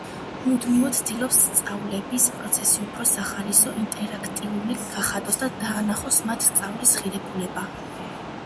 მუდმივად ცდილობს სწავლების პროცესი უფრო სახალისო, ინტერაქტიული გახადოს და დაანახოს მათ სწავლის ღირებულება.